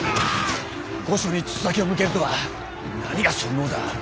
御所に筒先を向けるとは何が尊王だ。